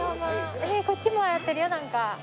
こっちもやってるよなんか。